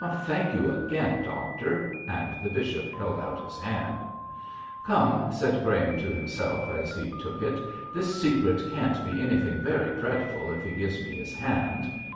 'Thank you again, doctor!' and the bishop held out his hand. 'Come,' said Graham to himself as he took it, 'this secret can't be anything very dreadful if he gives me his hand.